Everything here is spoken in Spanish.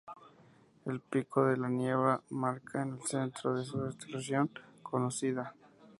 El Pico de la Neblina, marca el centro de su distribución conocida.